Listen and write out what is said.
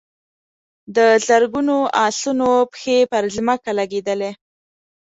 د زرګونو آسونو پښې پر ځمکه لګېدلې.